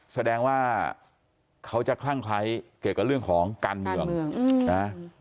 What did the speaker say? แสดงว่าเขาจะคลั่งไคร้เกี่ยวกับเรื่องของการเมืองนะ